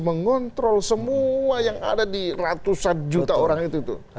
mengontrol semua yang ada di ratusan juta orang itu tuh